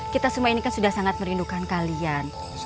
kita semua ini kan sudah sangat merindukan kalian